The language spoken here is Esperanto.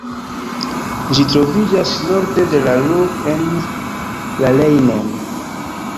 Ĝi troviĝas norde de la Ruhr en la Rejnon.